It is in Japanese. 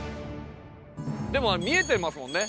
でも見えてますもんね。